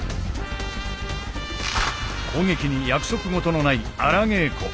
攻撃に約束事のない荒稽古。